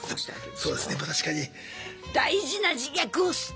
そうですねまあ確かに。